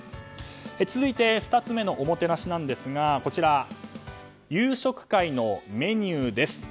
続いて２つ目のおもてなしなんですが夕食会のメニューです。